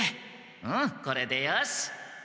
うんこれでよし。